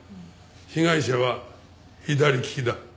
被害者は左利きだ。